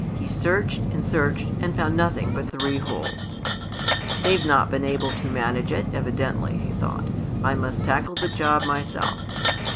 He searched and searched, and found nothing but three holes. "They've not been able to manage it, evidently," he thought. "I must tackle the job myself."